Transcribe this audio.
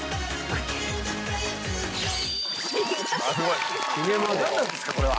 すごい！何なんですかこれは。